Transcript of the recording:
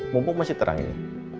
mumpung masih terang ini